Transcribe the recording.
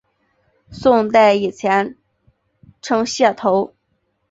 宋代以前称解头。